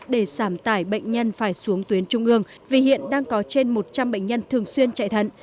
để giảm tải bệnh nhân phải xuống tuyến trung ương vì hiện đang có trên một trăm linh bệnh nhân thường xuyên chạy thận